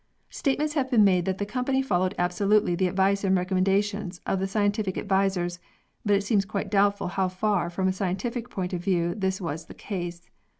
Statements have been made that the company followed absolutely the advice and recommendations of the scientific advisers, but it seems quite doubtful how far from a scientific point of view this was the case.